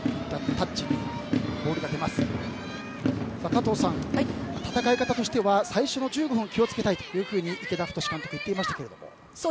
加藤さん、戦い方としては最初の１５分を気を付けたいと池田太監督は言っていましたが。